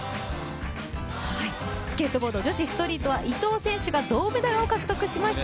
スケートボード女子ストリートは伊藤選手が銅メダルを獲得しました。